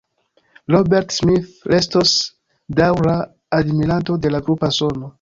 Robert Smith restos daŭra admiranto de la grupa sono.